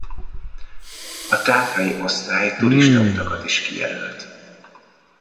A Tátrai Osztály turistautakat is kijelölt.